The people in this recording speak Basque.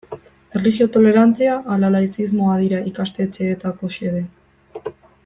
Erlijio tolerantzia ala laizismoa dira ikastetxeetako xede?